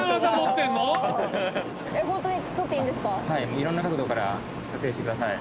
いろんな角度から撮影してください。